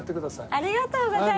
ありがとうございます。